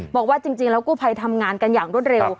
บอกว่าจริงแล้วกู้ภัยทำงานกันอย่างรวดเร็ว